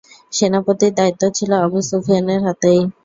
সেনাপতির দায়িত্ব ছিল আবু সুফিয়ানের হাতেই।